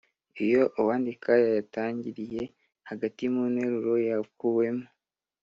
iyo uwandika yayatangiriye hagati mu nteruro yakuwemo.